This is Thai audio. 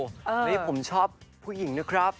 นี่ผมชอบผู้หญิงนะครับ